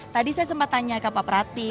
tadi saya sempat tanya ke pak prati